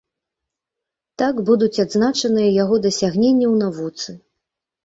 Так будуць адзначаныя яго дасягненні ў навуцы.